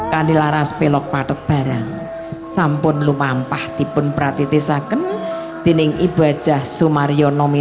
kandilara spelok padat barang sampun lu mampah tipun pratitisaken dining ibadah sumario nomi